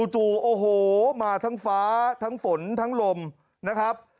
จู่โอ้โหมาทั้งฟ้าทั้งฝนทั้งลมนะครับ